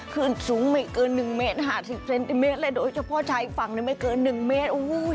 ขึ้นสูงไม่เกิน๑เมตร๕๐เซนติเมตรเลยโดยเฉพาะชายฝั่งไม่เกิน๑เมตร